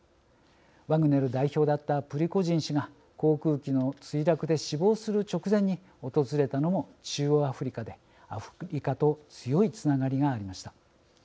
ワグネル代表だったプリゴジン氏が航空機の墜落で死亡する直前に訪れたのも中央アフリカでアフリカと強いつながりがありました。